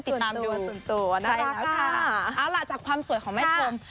เอาล่ะจากความสวยของแม่ชม